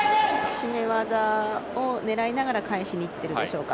絞め技を狙いながら返しに行ってるんでしょうか。